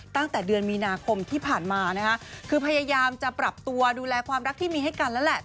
ตั้งแต่เดือนมีนาคมที่ผ่านมานะคะคือพยายามจะปรับตัวดูแลความรักที่มีให้กันแล้วแหละ